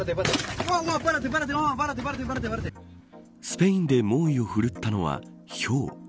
スペインで猛威を振るったのはひょう。